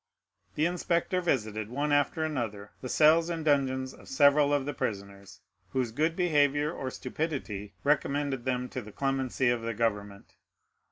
The inspector visited, one after another, the cells and dungeons of several of the prisoners, whose good behavior or stupidity recommended them to the clemency of the government.